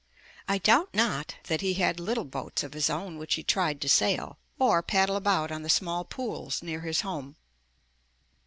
I doubt not that he had little boats of his own which he tried to sail, or paddle about on the small pools near his home.